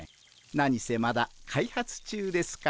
何せまだ開発中ですから。